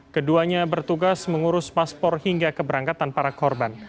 keduanya bertugas mengurus paspor hingga keberangkatan para korban